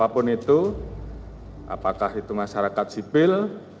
apapun itu apakah itu masyarakat sipil